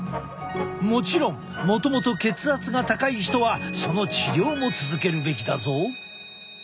もちろんもともと血圧が高い人はその治療も続けるべきだぞ。